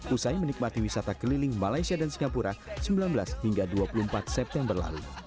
usai menikmati wisata keliling malaysia dan singapura sembilan belas hingga dua puluh empat september lalu